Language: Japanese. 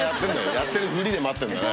やってるフリで待ってんだよね。